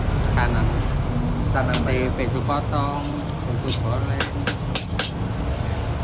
pesanan di besu potong besu goreng